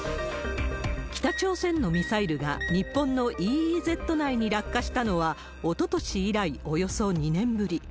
北朝鮮のミサイルが日本のＥＥＺ内に落下したのはおととし以来、およそ２年ぶり。